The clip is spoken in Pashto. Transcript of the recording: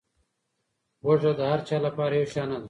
هوږه د هر چا لپاره یو شان نه ده.